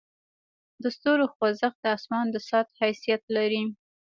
د ستورو خوځښت د اسمان د ساعت حیثیت لري.